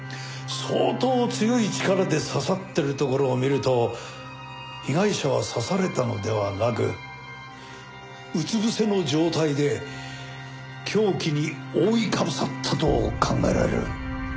相当強い力で刺さってるところを見ると被害者は刺されたのではなくうつぶせの状態で凶器に覆いかぶさったと考えられる。